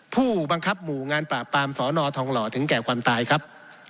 ผู้บังคับหมู่งานปราบปรามสนทองหล่อถึงแก่ความตายครับ